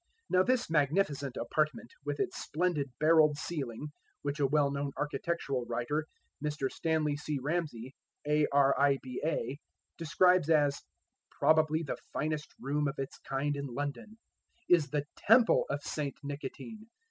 Now this magnificent apartment, with its splendid barrelled ceiling, which a well known architectural writer, Mr. Stanley C. Ramsey, A.R.I.B.A., describes as "probably the finest room of its kind in London," is the temple of Saint Nicotine.